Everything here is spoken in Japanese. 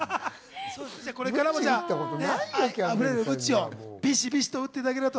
これからもあふれるムチをビシビシ打っていただけると。